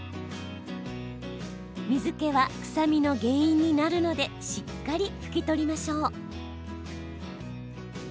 水けは臭みの原因になるのでしっかり拭き取りましょう。